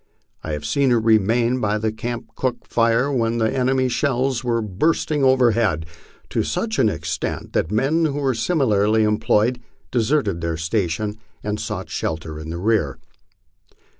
I have seen her remain by her camp cook fire when tho enemy's shells were bursting overhead, to such an extent that men who were similarly employed deserted their station and sought shelter in the rear.